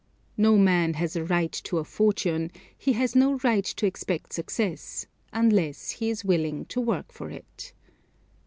No man has a right to a fortune; he has no right to expect success, unless he is willing to work for it.